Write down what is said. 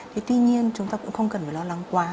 thế tuy nhiên chúng ta cũng không cần phải lo lắng quá